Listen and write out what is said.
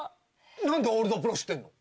何でオールドプロ知ってんの？